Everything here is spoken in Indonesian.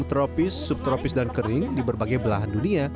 sepuluh tropis subtropis dan kering di berbagai belahan dunia